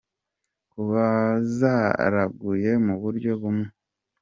kuba zaraguye mu buryo bumwe.